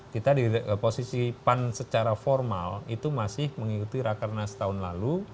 kita di posisi pan secara formal itu masih mengikuti rakernas tahun lalu